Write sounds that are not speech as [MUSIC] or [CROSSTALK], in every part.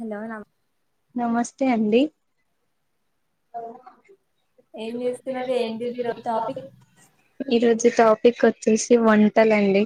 Hello నా రే అండి ఏం ఇన్ని చేస్తున్నారు రోజులు ఏం ఏంటి ఈరోజు టాపిక్ షాపింగ్ ఈరోజు టాపిక్ వచ్చేసి వంటలండి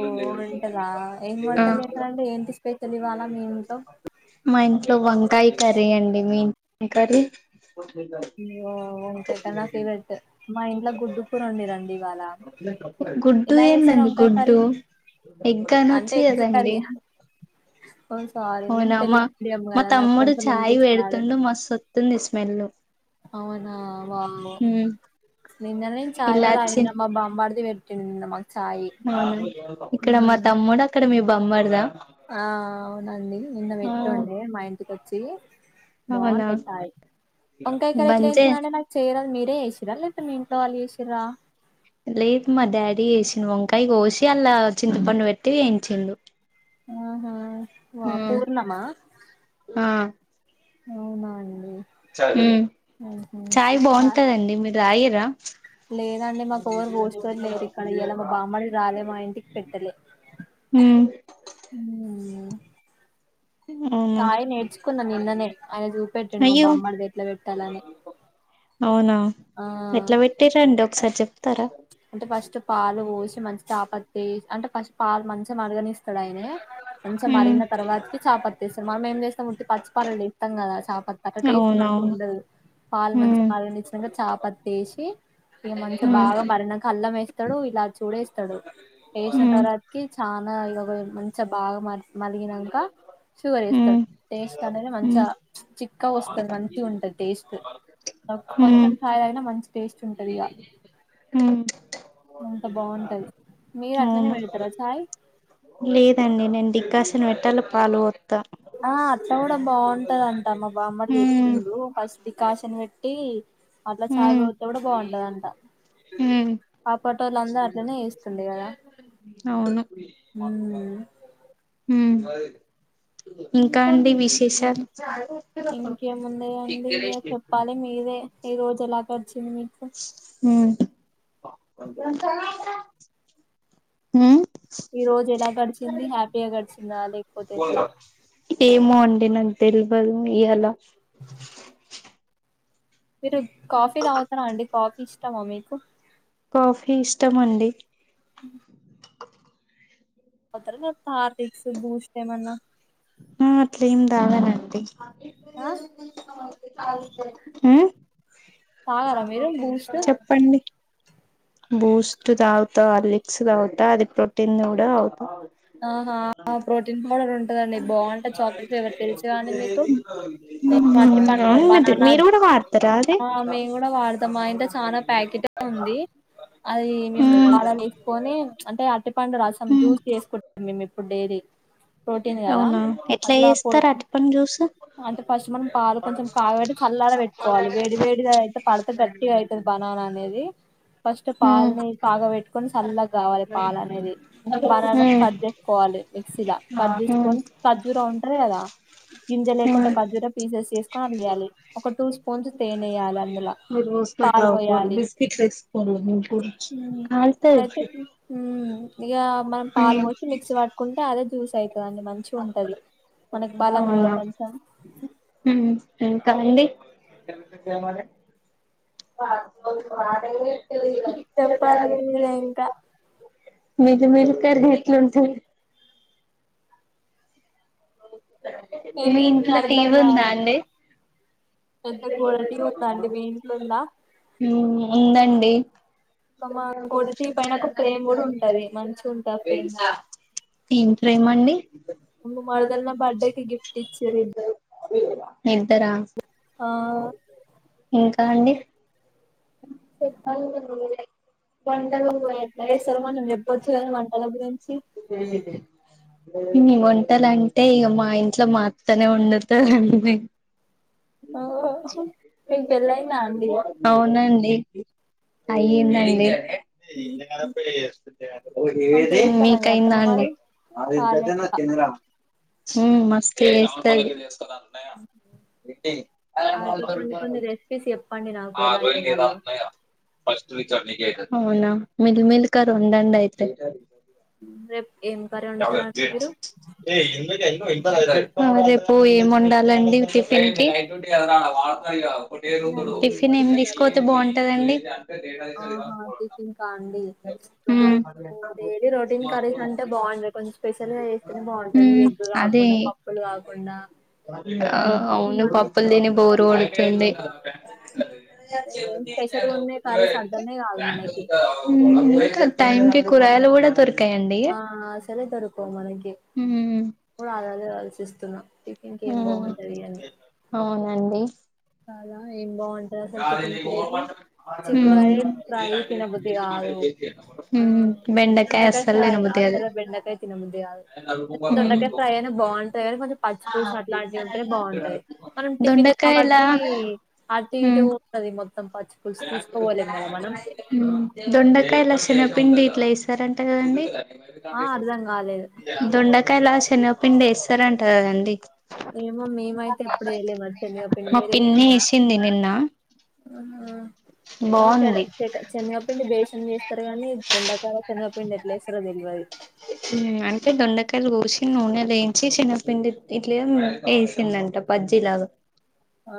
ఓ వంటలా ఆ తెలివా మా ఇంట్లో వంకాయ కర్రీ అండి మీ ఇంట్లోఎం కర్రీ తిన్న అయ్యో వంకాయ కర్రీ నా ఫేవరెట్ మా ఇంట్లో గుడ్డు కూర వండిరండి ఇవాళ గుడ్డు ఎలా తిన్న చేస్తారు వంకాయ గుడ్డు కర్రీ ఎగ్గా అనొచ్చు అంటే ఎగ్ కర్రీ కదండి ఓ సారీ మేము అవునా మ తెలుగు మీడియం మా కదా నాకు తమ్ముడు కొంచెం చాయ్ ఇంగ్లీష్ రాదు వేడుతుండు మస్తు వస్తుంది స్మెల్ అ అవునా వావ్ నిన్ననే చాయ్ కూడా ఇలాచి తాగిన మా బామ్మర్ది పెట్టిండు చిన్న మ ఆ ఇక్కడ మా తమ్ముడు అక్కడ మీ బొమ్మర్దా ఆ అవునండి నిన్న పెట్టుండే మా ఇంటికొచ్చి అవునా బాగుంటాయి చాయి వంకాయి కర్రి ఎట్లా బంజే చేస్తారండీ నాకు చేయరాదు మీరు రే చేసిరా లేకపోతే మీ ఇంట్లో వాళ్లు చేసిరా లేదు మా డాడీ చేసిండు వంకాయ కోసి అల్లా చింతపండు పెట్టి వేయించిండు ఆ పూర్ణమా అవునా అండి ఉ చాయ్ ఆహా బాగుంటదండి మీరు తాగిర్రా లేదండి మాకు ఎవరు పోషటోల్లు లేరు ఇక్కడ ఇయల మా బామ్మడిది రాలే మా ఇంటికి పెట్టలే టీవీ సౌండ్ అవునా చాయి నేర్చుకున్న నిన్ననే ఆయన చూపెట్టండి మా అయ్యో బామ్మడిది ఎట్లా పెట్టాలని అవునా ఆ ఎట్లా పెట్టిరండి ఒకసారి చెప్తారా అంటే ఫస్ట్ పాలు పోసి మంచి చాపత్ ఎసి అంటే ఫస్ట్ పాలు మంచిగా మరగనిస్త అక్కడైనే మంచిగా మరిగిన తర్వాతకి చేపత్త ఎస్తారు మనం ఏం చేస్తాం ఉట్టి పచ్చిపాలల ఎస్తాం కదా ప అ టేస్ట్ మంచిగా అవునవును ఉండదు పాలు మంచిగా ఉమ్ మరగ ఇచ్చినాక చపత్తెసి ఇగ మంచి ఉమ్ బాగా మరినంక అల్లం వేస్తాడు ఇలాచూడేస్తాడు వేసిన ఉమ్ తర్వాతకి చా మ మంచిగా బాగా మ మరిగినంక షుగర్ ఉమ్ వేస్తాడు టేస్ట్ అంటది ఉమ్ మంచిగా చిక్కాగా వస్తది మంచిగా ఉంటది టేస్ట్ ఉమ్ కొంచెం చాయి తాగిన మంచిగా ఉంటది టేస్ట్ ఉంటది ఇగ ఉమ్ అంత బాగుంటది మీ అట్లనే అవును పెడతారా చాయ్ లేదండి నేను డికాషన్ పెట్టి పాలు పోతా ఆ అట్లా కూడా బాగుంటద అంట మా బామ్మర్ది హ్మ్ చెప్పిండు ఫస్ట్ డికాషన్ పెట్టి అట్లా చాయ్ హ్మ్ పోతే కూడా బాగుంటదంట హ్మ్ ఆ పటోలు అంతా అట్లనే చెస్తుండే కదా ఉ ఉ ఇంకా అండి విశేషాలు ఇంకేముందియండి ఇగ చెప్పాలి మీరే ఈ రోజు ఎలా గడిచింది మీకు ఉ ఉ ఈ రోజు ఎలా గడిచింది హ్యాపీగా గడిచిందా లేకపోతే ఎట్లా ఏమో అండి నాకు తెల్వదు ఇయలా మీరు కాఫీ తాగుతుర అండి కాఫీ ఇష్టమా మీకు కాఫీ ఇష్టం అండి అ ఆ తర్వాత హార్లిక్స్ బూస్ట్ ఏమన్నా ఆ అట్ల ఏం తాగనండి ఆ ఆ తాగారా మీరు బూస్ట్ చెప్పండి బూస్ట్ దగుతా హార్లిక్స్ దవుతా అది ప్రోటీన్ ది కూడా తాగుతా ఆహా ప్రోటీన్ పౌడర్ ఉంట ఉంటదండి బాగుంట చాక్లెట్ ఫ్లేవర్ తెలూసుగా మీకు నేను అరటి పండ్లు అవును మీరు బనన మీరు కూడా వాడతారా అది ఆ మేము కూడా వాడతామా మా ఇంట్లో చనా ప్యాకెట్ ఉంది అది మేము ఉమ్ పాల లేసుకొని అంటే అరటి పండు రసం ఉమ్ జూస్ చేసుకుంటాం మేము ఇప్పుడు డైరీ ప్రోటీన్ కదా అవునా ఎట్లా అట్లా ప్రో చేస్తారు అరటిపండు జ్యూస్ అంటే ఫస్ట్ మనం పాలు కొంచెం కాగబెట్టి చల్లార పెట్టుకోవాలి వేడి వేడిగా అయితే పడితే గట్టిగైతది బనానా అనేది ఫస్ట్ ఉమ్ పాల్ని కాగా పెట్టుకొని చల్లగా కావాలి పాలనేది బనానా ఉమ్ కట్ చేసుకోవాలి మీక్సీలా కట్ చేసుకోని ఖర్జూర ఉంటది కదా గింజ లేకుండా ఉమ్ ఖర్జూర పీసెస్ చేసుకొని అడియాలి ఒక టూ స్పూన్స్ తేనెేయాలి అందులో పాల్ పోయాలి అయితే కాల్తది ఇక మనం పాలు ఉమ్ పోసి మిక్సీ పట్టుకుంటే అదే జ్యూస్ అవుతుంది అండి మంచిగా ఉంటది మనకి బలం రో మ్ ఇంకా అండీ ట చెప్పాలి మీరే ఇంకా మిల్ మిల్కర్ ఎట్లుంటది మీ ఇంట్లో టీవీ ఉందా అండి పెద్ద గోడటి ఉందండి మీ ఇంట్లుందా మ్ ఉందండి ఒక మా గోడటి పైన ఒక ఫ్రేమ్ కూడా ఉంటది మంచిగా ఉంటది ఆ ఫ్రేమ్ కూడా [UNINTELLIGIBLE] దీంట్లో ఏమండి మా మరదలు నా బర్త్డే కి గిఫ్ట్ ఇచ్చిర్రు ఇద్దరా ఆ ఇంకా అండి అ వంటలు ఎట్ల చేస్తారో కొంచం చెప్పచు కదా వంటల గురించి హు వంటాలంటే ఇక మా ఇంట్లో మా అత్తనే వండుతదండి ఆ మీకు పెళ్ళయిందా అండి అవును అండి అయిందండీ మంచిగా చేస్తదా మీ మీకయిందా అత్తమ్మ అండి మరి కాలే ఇంకా మ్ మస్తు చేస్తాది అయితే కొన్ని కొన్ని రెసిపీస్ చెప్పండి నాకు అ ఎలా ర చేయాలో అన్నయ్య ఫస్ట్ అవునా మిల్ మిల్కర్ ఉంది అండి ఐతే రేపు ఏం కర్రీ అ వండుతారండి మీరు రేప్ పు ఏం ఉండాలండి టిఫిన్ కి అదే అండి టిఫిన్ ఏం వండుతున్నారు తీసుకోతే బాగుంటదండి ఆహా టిఫిన్కా అండి ఇప్పుడు మ్మ్ డైలీ రొటీన్ కర్రీస్ అంటే బాగుండదు కొంచెం స్పెషల్ గా చేస్తేనే బాగుంటది మ్మ్ అదే రాకుండా పప్పులు కాకుండా ఆ ఔవును అన్నీ పప్పులు తిని థీని తిని బోరు కొడుతుంది ఏం స్పెషల్గా ఉన్నాయి కర్రీస్ అర్థమే కాదు మనకి [UNINTELLIGIBLE] మ్ అవును. టైమ్కి కూరగాయలుకూడా దొరిక ఆ అసలే దొరకవ్ మనకి ఉమ్ కూడా అలాదే ఆలోచిస్తున్నా టిఫిన్ కి హు ఏం బాగుంటది అని అవునండి చాలా ఏం బాగుం టతి అసలు టిఫిన్స్ లోకి ఉమ్ చిక్కుడుకాయి ఫ్రీ తినబుద్ది కాదు ఉమ్ బెండకాయ దొండకాయ అస్సలు ఫ్రై తినబుద్ధి కాదు అసలు బెండకాయ తినబుద్ది కాదు దొండకాయ ఫ్రై అయినే బాగుంటది కాని కొంచెం పచ్చి పులుసు అట్లాంటివి ఉంటేనే బాగుంటది. దొండకాయల టీ అటు ఇటు ఉంటాది మొత్త ఉ దొండకాయలాస్ చెనగపిండి ఇట్లా ఇస్తారంట కాదండి ఆ అర్ధం కాలేదు దొండకాయలాస్ చెన్గాపిండి వేస్తారంట కాదండి ఏమో మేమైతే ఎప్పుడ వేయలే మరి శేనగపిండ్ మా మీరు పిన్ని వేసిండ్రా వేసింది నిన్న ఆ చెడ బాగుంది చెక చెనగపిండి బేషన్ చేస్తారు కానీ దొండకాయ చెనగ పిండి ఎట్లేస్తారో తెల్వది ఉ అంటే దొండకాయలు కోసి నూనెలెంచి చెనగపిండి ఇట్ల వేసిందంట బజ్జిలాగా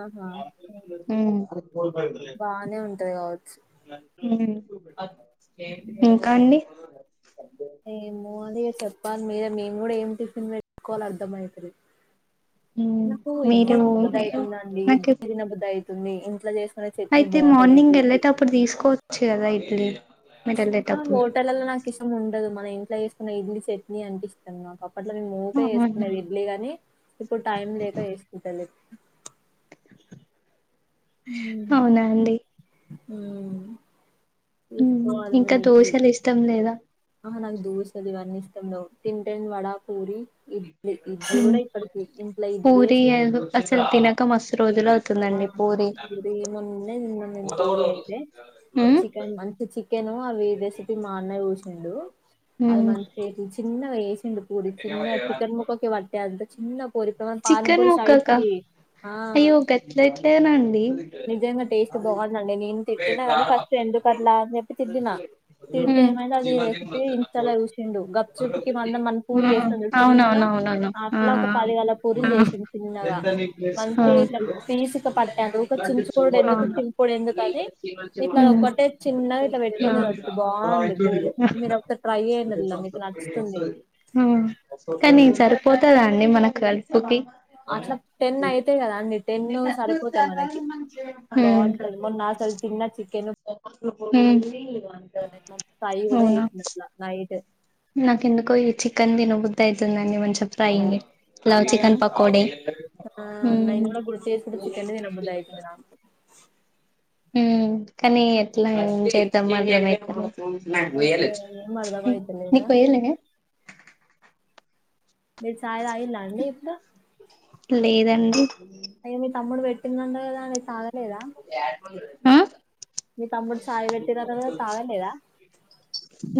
ఆహా ఉ ఉ బానే ఉంటది కావచ్చు ఇంకా అండి ఏమో మీరే చెప్పాలి మీరె మేము కూడా ఏం టిఫిన్ పెట్టుకోవాలి అర్ధంమయితలేదు నాకు ఇడ్లీ మీరు తినబుద్దయితుందండి నాకు ఇడ్లీ తినబుద్దయితుంది ఇంట్లో చేస్ అయితే మార్నింగ్ వెళ్ళేటప్పుడు తీసుకోవచ్చు కాదా ఇడ్లీ మీరు వెళ్ళేటప్పుడు హోటలలో నాకు ఇష్టం ఉండదు మన ఇంట్లో చేసుకున్న ఇడ్లీ చట్నీ అంటే ఇష్టం నాకు అప్ అట్ల మేం ఉకే చేస్కునేది ఇడ్లీగాని ఇప్పుడు టైం లేక చేస్కుంటాలేం అవునా అండి ఉ ఉ ఇంక దోశలు ఇష్టం లేదా ఆహా నాకు దోశలు ఇవన్నీ ఇష్టం లెవ్ తింటే నేన్ వడా పూరి ఇడ్లీ ఇడ్లీ కూడా ఇప్పటికి ఇంట్ల ఇడ్లీ పూరి ఇష్టం అసలు తినక మస్తు రోజులు ఆ అవుతుందండి పూరి మొన్ననే తిన్నాను పూరి అయితే ఉమ్ చికెన్ అంత చికెను అవి రెసిపీ మా అన్న చేసిండు అది ఉమ్ మంచి చిన్నగ చేసి చిన్న పూరి చిన్న చికెన్ ముక్కకి పట్టే అంత చిన్న పూరి పానీ చికెన్ పూరిసైజుకి ఆ ట్లేట్లెనండి నిజంగా టేస్ట్ బాగుందండి నేను తిట్టిన కాని ఫస్ట్ ఎందుకు అట్లా అని చెప్పి తిట్టిన తిడితే ఉమ్ ఏమైంది ఈ రెసిపీ ఇంస్టా ల చూసిండు గప్ చుప్ మందం మన్ ఆ పూరి చేస్తం చుడు చిన్నగా అవునవునవునవును ఆ అట్లా ఒక పదిగల ఆ ఆ పూరిలు చేసిండు చిన్నగా ఆ మంచి పీస్ కు పట్టదు చుంచుకొనుడు ఎందుకు చింపుడు ఎందుకు అని ఇట్లా ఉమ్ ఒకటే చిన్నగా ఇట్లా పెట్టుది తినచ్చు బా గుంది పూరి మీరు ఒకసారి ట్రై చేయండి మీకు నచ్చుతుంది. ఆ ఆ, కానీ సరిపోతాదండి మనకు కడుపుకి ఉమ్ అట్ల టెన్ అయితే కదా అన్నీ టెన్ సరిపోతాయి మనకి బాగుంటది మొన్న హల్ తిన్న చికెను ఉ మా మమ్మీ ఫ్రై కూడా చేసింది అట్ల నైట్ నాకెందుకో ఈ చికెన్ తినబుద్దయితుందండి మంచిం ఫ్రై లవ్ కదా చికెన్ పకోడి ఉమ్ ఆ గుర్తుచేసుకుంటే చికెనే తినబుద్దయితుంది నాకు ఉ కానీ ఎట్లా ఏం చేద్దాం మరి ఇప్పుడు నాకు వేయలేద్ ఏం అర్ధమైతలేదా నీకు వేయలే మీరు చాయ్ తాగిల్లాండి ఇపుడు లేదండి అయ్యో మీ తమ్ముడు పెట్టిండంట కదా మీర్ తా లేదా ఆ మీ తమ్ముడు చాయ్ పెట్టిరాట గాదా తాగ లేదా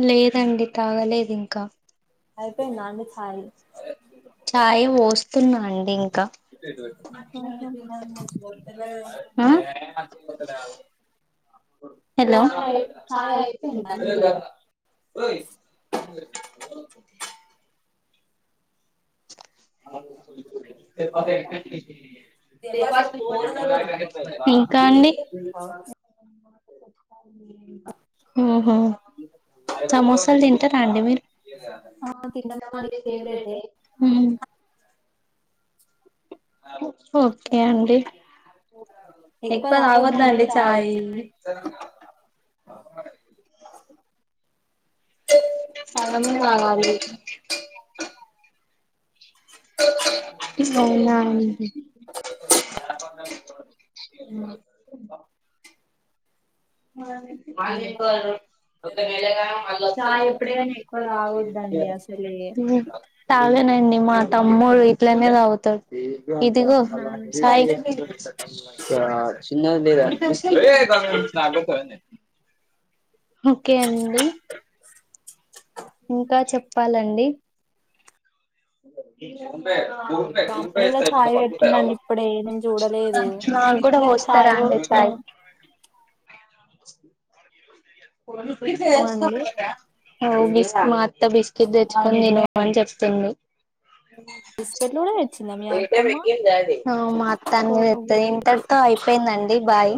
లేదండి తాగలేదు ఇంకా అయిపోయిందా అండీ చాయ్ చాయ్ పోస్తున్నా అండి ఇంకా ఆ [UNINTELLIGIBLE] హలో చాయ్ చాయ్ అయిపోయిందా అండి [UNINTELLIGIBLE] [UNINTELLIGIBLE] [UNINTELLIGIBLE] ఇంకా అండీ ఉహా ఆ గిన్నెలు కడిగిన ఏమ్ లేదే హ్మ్ స్ ఓకే అండీ ఎక్కువ తాగొద్దండి చాయీ ఆహా సగమే తాగాలి అవునా అం హ్ [UNINTELLIGIBLE] సాయిపే ఎక్కువ తగొద్దండి చాయ్ ఎప్పుడు గాని ఎక్కువ తాగొద్దండి అసలే ఉహ్ తాగనండి మా తమ్ముడు ఇట్లనే తాగుతడ్ ఇది గో అవునా సాయి కీచేయి ఓకే అండీ స్ స్ ఇంకా చెప్పాలండి [UNINTELLIGIBLE] మామిడిలో చాయ్ పెట్టిండండి ఇప్పుడే నేను చూడలేదు మాక్ కూడా వోస్తారా అండీ చాయ్ ఆహ్ మా అత్త బిస్కెట్ తెచ్చుకొని తిను అని చెప్ తుంది బిస్కెట్లు కూడా తెచ్చిందా మీ అత్తమ్మ [UNINTELLIGIBLE] ఆవ్ మా అత్త అన్ని తెత్తది ఇంతటితో అయిపోయిందండి బాయ్